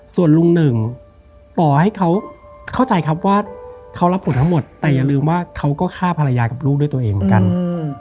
ส่วนลุงหนึ่งต่อให้เขาเข้าใจครับว่าเขารับผลทั้งหมดแต่อย่าลืมว่าเขาก็ฆ่าภรรยากับลูกด้วยตัวเองเหมือนกันอืม